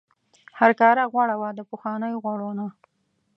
هرکاره غوړه وه د پخوانیو غوړو نه.